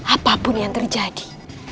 apapun yang terjadi